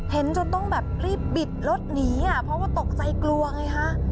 จนต้องแบบรีบบิดรถหนีอ่ะเพราะว่าตกใจกลัวไงฮะ